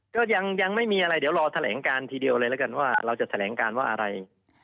ก็ยังไม่มีอะไรเดี๋ยวรอแถลงการทีเดียวเลยแล้วกันว่าเราจะแถลงการว่าอะไร